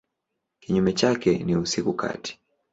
Kinyume chake ni usiku kati.